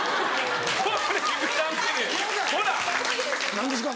何ですか？